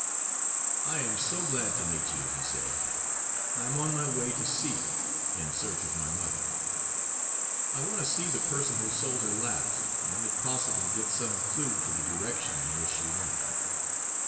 "I am so glad to meet you," he said. "I am on my way to C in search of my mother. I want to see the person who sold her last, and, if possible, get some clew to the direction in which she went."